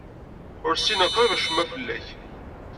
Ur ssineɣ qrib acemma fell-ak.